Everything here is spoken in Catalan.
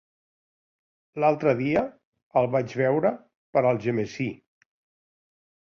L'altre dia el vaig veure per Algemesí.